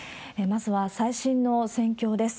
まずは最新の戦況です。